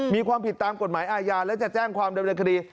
มีความผิดตามกฎหมายอาญาและจะแจ้งความดำเนินคดี